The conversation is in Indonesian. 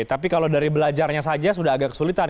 tapi kalau dari belajarnya saja sudah agak kesulitan